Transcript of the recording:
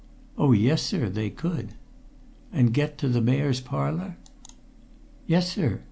"Oh, yes, sir, they could." "And get to the Mayor's Parlour?" "Yes, sir.